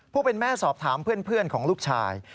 ผู้เป็นแม่สอบถามเพื่อนของลูกชาย